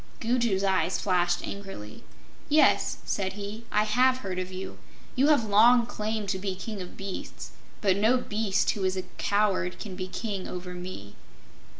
Gugu's eyes flashed angrily. "Yes," said he, "I have heard of you. You have long claimed to be King of Beasts, but no beast who is a coward can be King over me."